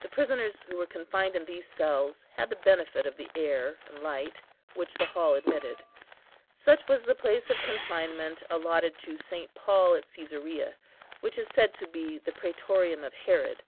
The prisoners, who were confined in these cells, had the benefit of the air and light, which the hall admitted. Such was the place of confinement allotted to St. Paul at Cæsarea, which is said to be the "prætorium of Herod."